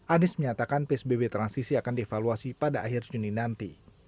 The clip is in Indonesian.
anies menyatakan psbb transisi akan dievaluasi pada akhir juni nanti